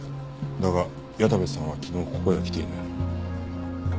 だが矢田部さんは昨日ここへは来ていない。